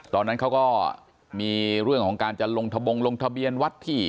ตอนนั้นเขาก็มีเรื่องของการจะลงทะบงลงทะเบียนวัดที่